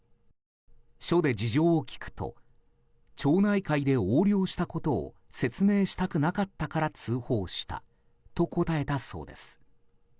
署で事情を聴くと町内会で横領したことを説明したくなかったから通報したと答えたそうです。